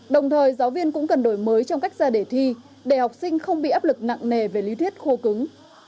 đồng thời giáo viên cũng cần đổi mới trong cách ra để thi để học sinh không bị áp lực nặng nề về lý thuyết khô cứng